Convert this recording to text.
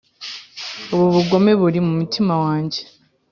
ubu bugome buri mu mutima wanjye,